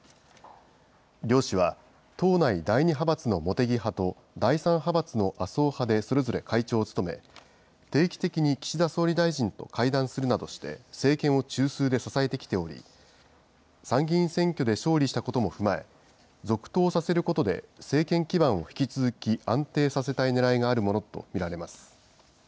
両氏は、党内第２派閥の茂木派と、第３派閥の麻生派でそれぞれ会長を務め、定期的に岸田総理大臣と会談するなどして、政権を中枢で支えてきており、参議院選挙で勝利したことも踏まえ、続投させることで政権基盤を引き続き安定させたいねらいがあるものと見られます。